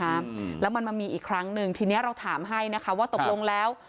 แล้วมันมีอีกครั้งนึงเรามันไม่มีอีกครั้งนึงทีนี้เราถามให้ว่าตบลงแล้ว